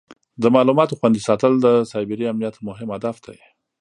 د معلوماتو خوندي ساتل د سایبري امنیت مهم هدف دی.